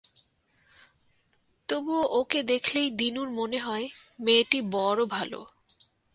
তবুও ওকে দেখলেই দিনুর মনে হয়-মেয়েটি বড় ভালো।